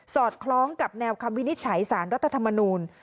อดคล้องกับแนวคำวินิจฉัยสารรัฐธรรมนูล